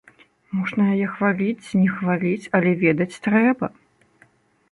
Можна яе хваліць ці не хваліць, але ведаць трэба!